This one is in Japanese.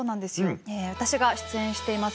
私が出演しています